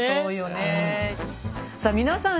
さあ皆さん